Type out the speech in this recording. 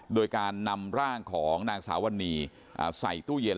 โดยการนำร่างของนางสาวนีใส่ตู้เย็น